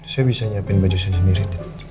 saya bisa nyiapin baju saya sendiri